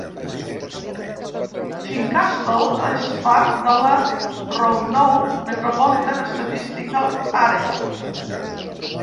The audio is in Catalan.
Fincastle és part de la Roanoke Metropolitan Statistical Area.